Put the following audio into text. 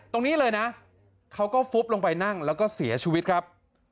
ตรงนี้เลยนะเขาก็ฟุบลงไปนั่งแล้วก็เสียชีวิตครับ